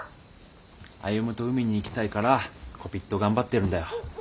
歩と海に行きたいからこぴっと頑張ってるんだよ。